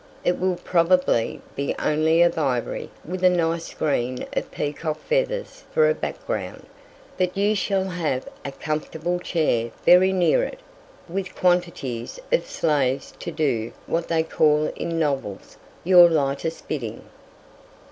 It will probably be only of ivory with a nice screen of peacock feathers for a background; but you shall have a comfortable chair very near it, with quantities of slaves to do what they call in novels your 'lightest bidding.'"